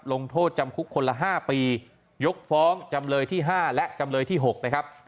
ลงโทษจำคุกคนละ๕ปียกฟ้องจำเลยที่๕และจำเลยที่๖นะครับ